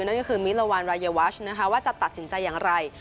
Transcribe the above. นั่นก็คือมิลวานรายวัชนะคะว่าจะตัดสินใจอย่างไร